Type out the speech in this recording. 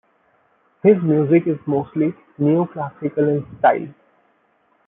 His music is mostly neoclassical in style.